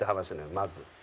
まず。